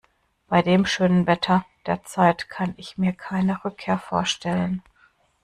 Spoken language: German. Bei dem schönen Wetter derzeit kann ich mir keine Rückkehr vorstellen.